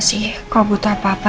jika anda butuh apa apa